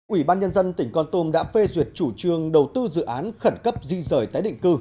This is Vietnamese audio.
ủy ban nhân dân tỉnh con tum đã phê duyệt chủ trương đầu tư dự án khẩn cấp di rời tái định cư